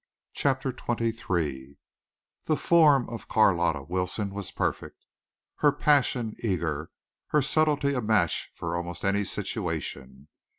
CHAPTER XXIII The form of Carlotta Wilson was perfect, her passion eager, her subtlety a match for almost any situation.